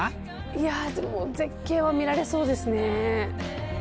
いやでも絶景は見られそうですね。